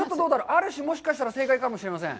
ある種、もしかしたら正解かもしれません。